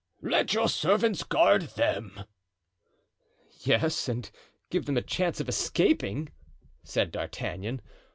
"Let your servants guard them." "Yes, and give them a chance of escaping," said D'Artagnan.